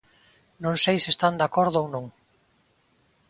Non sei se están de acordo ou non.